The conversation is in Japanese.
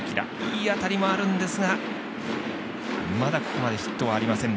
いい当たりもあるんですがまだここまでヒットはありません。